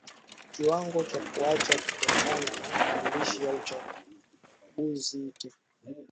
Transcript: kiwango cha kuacha Kutokana na maandishi ya uchangnuzi tekelezi wa tabia